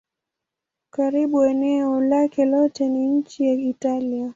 Karibu eneo lake lote ni nchi ya Italia.